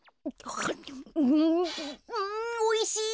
あむうんおいしい。